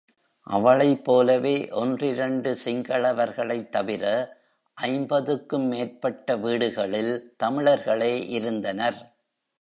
அவளைப் போலவே ஒன்றிரண்டு சிங்களவர்களைத் தவிர ஐம்பதுக்கும் மேற்பட்ட வீடுகளில் தமிழர்களே இருந்தனர்.